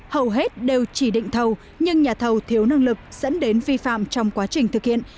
hầu hết đều chỉ định thầu nhưng nhà thầu thiếu năng lực dẫn đến vi phạm trong quá trình thực hiện